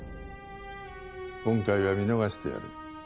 今回は見逃してやる。